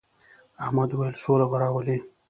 احمد وويل: سوله به راولې.